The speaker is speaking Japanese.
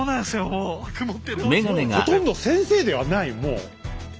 もうほとんど先生ではないもう。